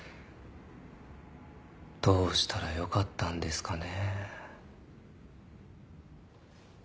どうしたらよかったんですかね。